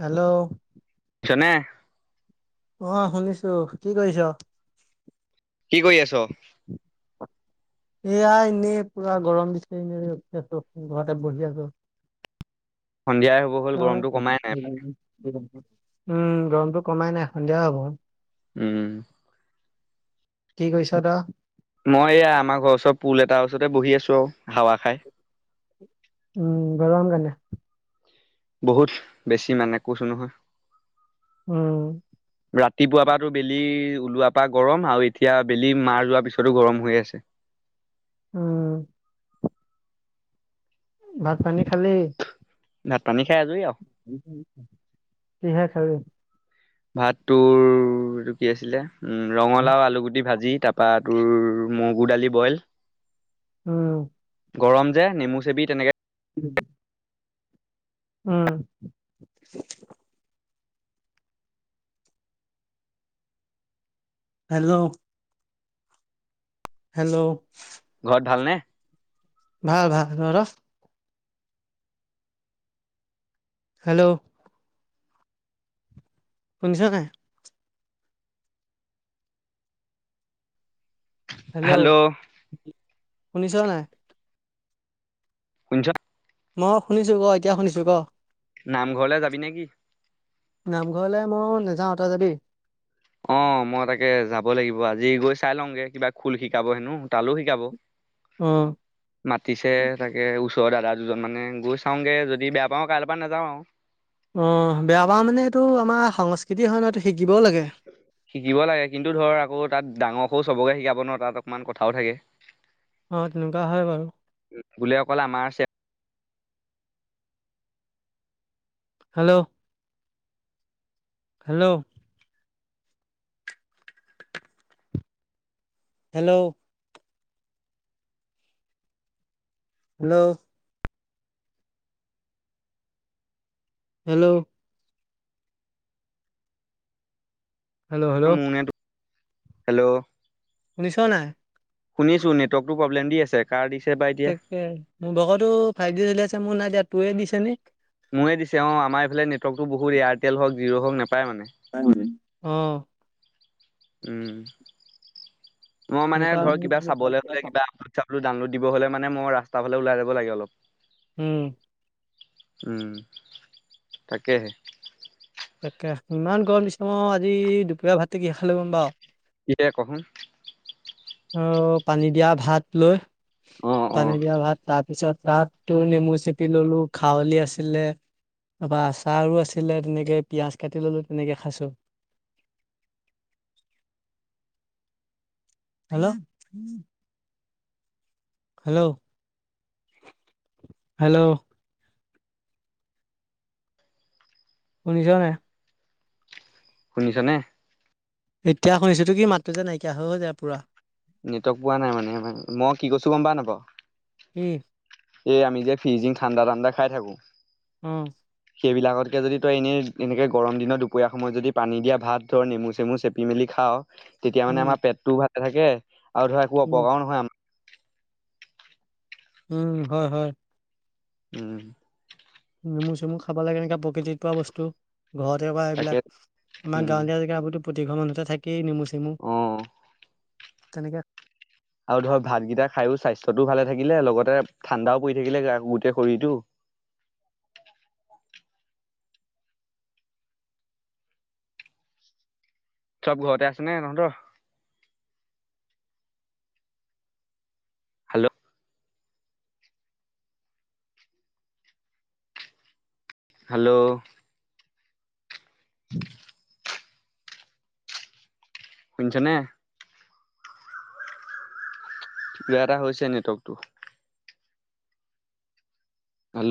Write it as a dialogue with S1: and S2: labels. S1: Hello.
S2: শুনিছানে?
S1: অ' শুনিছোঁ কি কৰিছ?
S2: কি কৰি আছ?
S1: এয়া এনেই পুৰা গৰম দিছে এনে উঠি আছোঁ, ঘৰতে বহি আছোঁ।
S2: সন্ধিয়াই হ'ব হ'ল গৰমটো কমাই নাই
S1: তই উম গৰমটো কমাই নাই সন্ধিয়া হ'ব হ'ল।
S2: উম।
S1: কি কৰিছ তই?
S2: মই এয়া আমাৰ ঘৰৰ ওচৰ পুল এটাৰ ওচৰতে বহি আছোঁ আৰু হাৱা খাই।
S1: উম গৰম কেনে?
S2: বহুত বেছি মানে কৈছোঁ নহয়।
S1: উম।
S2: ৰাতিপুৱাৰ পৰাতো বেলি ওলোৱা পৰা গৰম আৰু এতিয়া বেলি মাৰ যোৱাৰ পিছতো গৰম হৈ আছে।
S1: উম। ভাত-পানী খালি?
S2: ভাত-পানী
S1: কিহে খালি?
S2: ভাত তোৰ এইটো কি আছিলে উম ৰঙালাও আলু গুটি ভাজি তাৰ পৰা তোৰ মগু দালি বইল
S1: উম।
S2: গৰম যে নেমু চেপি তেনেকৈ
S1: [inaudible] অ'। হেল্ল'। হেল্ল'।
S2: ঘৰত ভালনে?
S1: ভাল ভাল। তহঁতৰ? হেল্ল'। শুনিছ নে নাই? হেল্ল' শুনিছ নাই?
S2: শুনিছ
S1: মই শুনিছোঁ ক এতিয়া শুনিছোঁ ক।
S2: নামঘৰলে যাবি নে কি?
S1: নামঘৰলৈ মই নাযাওঁ। তই যাবি?
S2: অ' মই তাকে যাব লাগিব আজি গৈ চাই লওঁ গে, কিবা খোল শিকাব হেনো তালোও শিকাব।
S1: অ
S2: মাতিছে তাকে ওচ ৰৰ দাদা দুজন মানে গৈ চাওঁগে যদি বেয়া পাওঁ কাইলৈ পৰা নাযাওঁ আৰু।
S1: অ', বেয়া পাওঁ মানে সেইটো আমাৰ সংস্কৃতি হয় নহয় সেইটো শিক
S2: শিকিব লাগে কিন্তু ধৰ আকৌ তাত ডাঙৰ সৰু সবকে শিকাব ন, তাত অকণমান কথাও থাকে।
S1: অ', তেনেকুৱা হয় বাৰু।
S2: বুলি অকলে আমাৰ
S1: hello. Hello. Hello hello hello hello hello
S2: মোৰ নে হেল্ল'
S1: শুনিছনে নাই?
S2: শুনিছোঁ নেটৱৰ্কতটো প্ৰব্লেম দি আছে কাৰ দিছে? বা এতিয়া
S1: তাকে, মোৰ ভাগতো ফাইভ জি চলি আছে মোৰ নাই দিয়া তোৰে দিছে নি।
S2: [unintelligible] দিছে অ, আমাৰ এইফালে নেৱৰ্কটো বহুত এয়াৰটেল হক জীয়ো' হক
S1: [unintelligible] অ',
S2: উম, মই মানে
S1: এনেকুৱা
S2: ধৰা কিবা চাবলৈ হ'লে কিবা ডাউনলোড দিব হ'লে মানে মই ৰাস্তাৰ ফালে ওলাই যাব লাগে অলপ।
S1: উম,
S2: উম, তাকেহে।
S1: তাকে, ইমান গৰম দিছে মই আজি দুপৰীয়া ভাত কিহেৰে খালোঁ গম পাওঁ?
S2: কিহেৰে ক'চোন?
S1: অ', পানী দিয়া ভাত লৈ,
S2: অ',
S1: পানী
S2: অ',
S1: দিয়া ভাত তাত পিছত তাত তোৰ নেমু চেপি ললো খাৱলি আছিলে। তাৰপা আচাৰো আছিলে তেনেকে পিয়াজ কাটি ললোঁ তেনেকে খাইছোঁ। হেল্ল', হেল্ল', হেল্ল', শুনিছ নে?
S2: শুনিছ নে?
S1: এতিয়া শুনিছো তো কি মাতো যে নাইকিয়া হৈ হৈ যায় পুৰা।
S2: নেটৱৰ্ক পোৱা নাই মানে মই কি কৈছো গম পা
S1: কি
S2: নাপাওঁ এই আমি যে ফিজিঙ ঠাণ্ডা ঠাণ্ডা খাই থাকো
S1: উম,
S2: সেইবিলাকতকৈ যদি তই এনেই এনেকৈ গৰম দিন দুপৰীয়া সময়ত যদি পানী দিয়া ভাত ধৰ নেমু চেমু চেপি মেলি খাৱ তেতিয়া মানে
S1: উম
S2: আমাৰ পেটটোও ভালে থাকে আৰু ধৰা একো
S1: উম
S2: অপকাৰও নহয় আম
S1: উম, হয়, হয়।
S2: উম,
S1: নেমু চেমু খাব লাগে কেনেকা প্ৰকৃতিত পোৱা বস্তু ঘৰতে পা
S2: তাকে
S1: এইবিলাক আমাৰ
S2: উম,
S1: গাঁৱলীয়া জেগা প্ৰতিঘৰ মানুহতে থাকে কেই নেমু চেমু
S2: অ'।
S1: তেনেকে
S2: আৰু ধৰ ভাতকেইটা খায়ো স্বাস্থ্যটোও ভালে থাকিলে লগতে ঠাণ্ডাও পৰি থাকিলে গোটেই শৰীৰটো
S1: [inaudible]
S2: চব ঘৰতে আছে নে তহঁত? হেল্ল হেল্ল [inaudible] শুনিছ নে? কিবা এটা হৈছে নেটৱৰ্কটো হেল্ল'